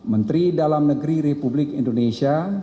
menteri dalam negeri republik indonesia